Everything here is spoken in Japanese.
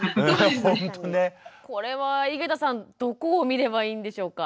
これは井桁さんどこを見ればいいんでしょうか？